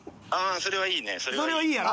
それはいいやろ？